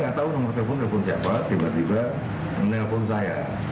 saya tidak tahu nomor telepon siapa tiba tiba